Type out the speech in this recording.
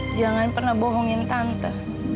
jangan pernah bohongin tante